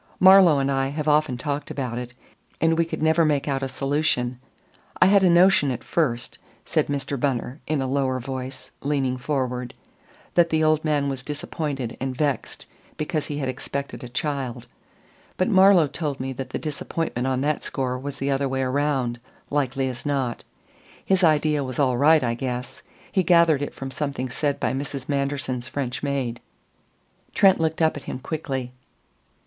"Marlowe and I have often talked about it, and we could never make out a solution. I had a notion at first," said Mr. Bunner in a lower voice, leaning forward, "that the old man was disappointed and vexed because he had expected a child; but Marlowe told me that the disappointment on that score was the other way around, likely as not. His idea was all right, I guess; he gathered it from something said by Mrs. Manderson's French maid." Trent looked up at him quickly.